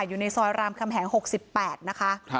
อยู่ในซอยรามคำแหง๖๘นะคะ